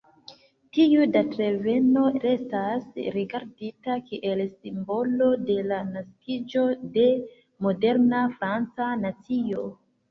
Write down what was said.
Tiu datreveno restas rigardita kiel simbolo de la naskiĝo de moderna franca nacio.